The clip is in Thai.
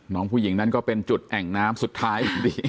น้องผู้หญิงมาเป็นจุดแห่งน้ำสุดท้าย